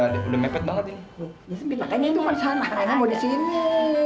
ini udah udah udah mepet banget ini makanya itu masalahnya mau disini